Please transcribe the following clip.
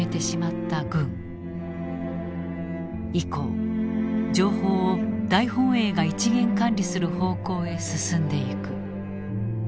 以降情報を大本営が一元管理する方向へ進んでいく。